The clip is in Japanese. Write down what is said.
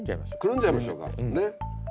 くるんじゃいましょうかね。